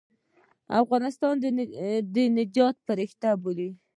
د افغانستان د نجات فرشته بولي.